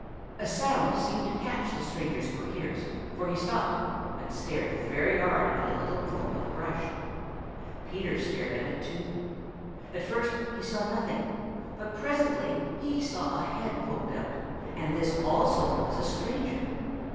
A sound seemed to catch the stranger's quick ears, for he stopped and stared very hard at a little clump of brush. Peter stared at it too. At first he saw nothing, but presently he saw a head poked out, and this also was a stranger.